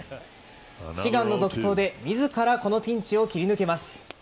志願の続投で自らこのピンチを切り抜けます。